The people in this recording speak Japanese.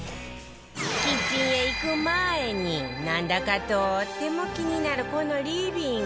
キッチンへ行く前になんだかとっても気になるこのリビング